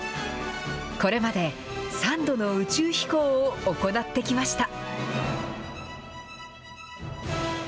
これまで３度の宇宙飛行を行ってきました。